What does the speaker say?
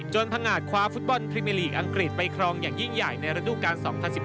พังงาดคว้าฟุตบอลพรีเมอร์ลีกอังกฤษไปครองอย่างยิ่งใหญ่ในระดูการ๒๐๑๘